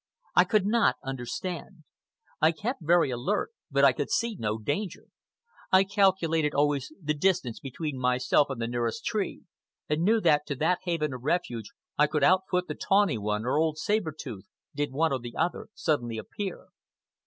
I could not understand. I kept very alert, but I could see no danger. I calculated always the distance between myself and the nearest tree, and knew that to that haven of refuge I could out foot the Tawny One, or old Saber Tooth, did one or the other suddenly appear.